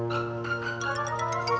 selamat datang bos